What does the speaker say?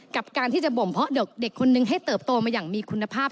กับการที่จะบ่มเพาะเด็กคนนึงให้เติบโตมาอย่างมีคุณภาพ